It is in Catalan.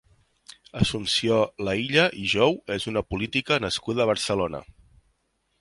Assumpció Laïlla i Jou és una política nascuda a Barcelona.